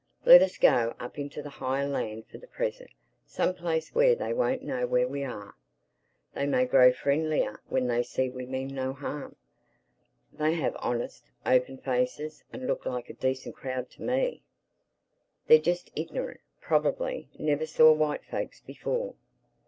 Let us go up into the higher land for the present—some place where they won't know where we are. They may grow friendlier when they see we mean no harm. They have honest, open faces and look like a decent crowd to me. They're just ignorant—probably never saw white folks before."